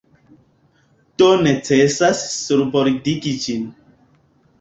Do necesas surbordigi ĝin.